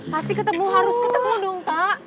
pasti ketemu harus kita kemudung kak